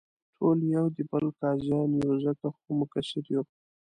ټول یو دې بل قاضیان یو، ځکه خو مقصر یو.